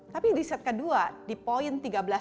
tapi di set kedua di poin tiga belas delapan